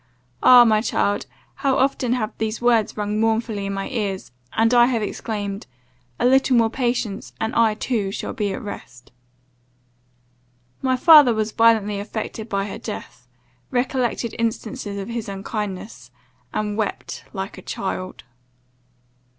Ah! my child, how often have those words rung mournfully in my ears and I have exclaimed 'A little more patience, and I too shall be at rest!' "My father was violently affected by her death, recollected instances of his unkindness, and wept like a child.